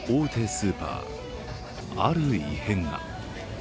スーパーある異変が。